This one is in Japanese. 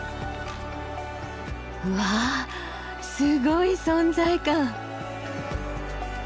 うわすごい存在感！